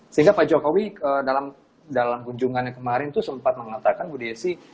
sehingga pak jokowi dalam kunjungannya kemarin itu sempat mengatakan bu desi